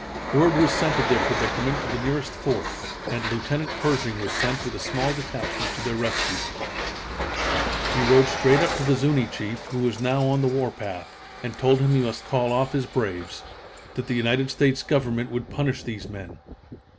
Word was sent of their predicament to the nearest fort, and Lieutenant Pershing was sent with a small detachment to their rescue. He rode straight up to the Zuni chief, who was now on the warpath, and told him he must call off his braves that the United States Government would punish these men.